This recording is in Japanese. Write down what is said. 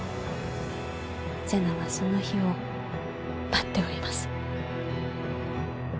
瀬名はその日を待っております。